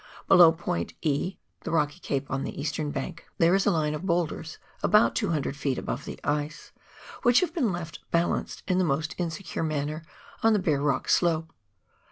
Below point E (the rocky cape on the eastern bank) there is a line of boulders about two hundred feet above the ice, which have been left balanced in the most insecure manner on the bare rock slope.